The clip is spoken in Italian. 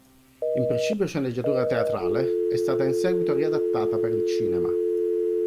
In principio sceneggiatura teatrale, è stata in seguito riadattata per il cinema.